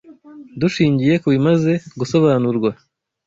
Dushingiye ku bimaze gusobanurwa